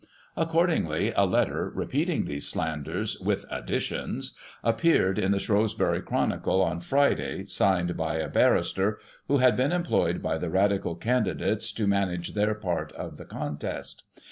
Accordingly, a letter, repeating these slanders, "with addi tions," appeared in the Shrewsbury Chronicle on Friday, signed by a barrister, who had been employed by the Radical candidates to manage their part of the contest.